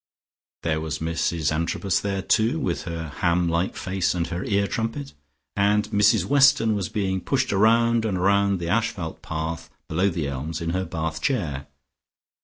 There was Mrs Antrobus there, too, with her ham like face and her ear trumpet, and Mrs Weston was being pushed round and round the asphalt path below the elms in her bath chair.